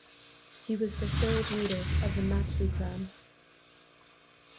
He was the third leader of the Matsue clan.